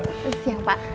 selamat siang pak